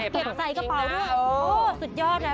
เก็บไซด์กระเป๋าด้วยโหสุดยอดนะ